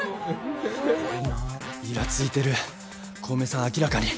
いらついてる小梅さん明らかに。